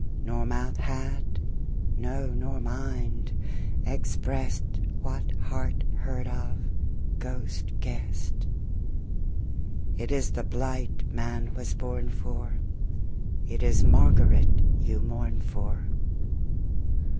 Nor mouth had, no nor mind, expressed What heart heard of, ghost guessed: It is the blight man was born for, It is Margaret you mourn for.